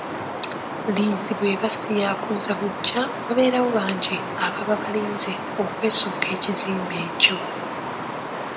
Liizi bw'eba siyaakuzza buggya wabeerawo bangi ababa balinze okwesooka ekizimbe kyo.